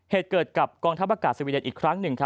เหตุเกิดกับกองทัพอากาศสวีเดนอีกครั้งหนึ่ง